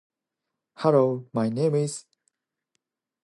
He began his military service in Belarus.